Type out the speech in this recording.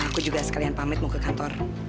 aku juga sekalian pamit mau ke kantor